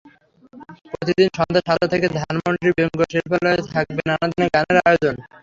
প্রতিদিন সন্ধ্যা সাতটা থেকে ধানমন্ডির বেঙ্গল শিল্পালয়ে থাকবে নানা ধরনের গানের আয়োজন।